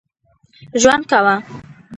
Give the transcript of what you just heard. ژوند کاوه.